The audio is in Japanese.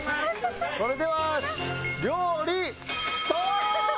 それでは料理ストップ！